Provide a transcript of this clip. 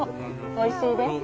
おいしいで。